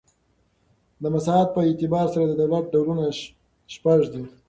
د مساحت په اعتبار سره د دولت ډولونه شپږ دي.